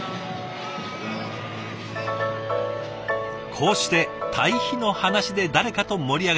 こうして堆肥の話で誰かと盛り上がる。